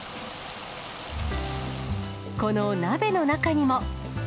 この鍋の中にも。